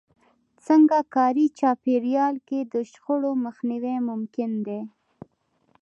څرنګه کاري چاپېريال کې د شخړو مخنيوی ممکن دی؟